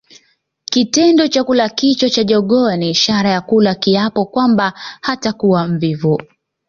Kitendo cha kula kichwa cha jogoo ni ishara ya kula kiapo kwamba hatakuwa mvivu